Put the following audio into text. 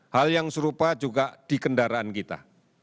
hal yang serupa juga di kendaraan kita